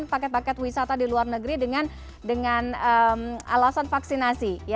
paket paket wisata di luar negeri dengan alasan vaksinasi